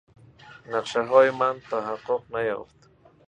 نقشههای من تحقق نیافت.